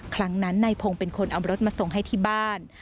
ครั้งนั้นนายพงศ์เป็นคนเอารถมาส่งให้ที่บ้าน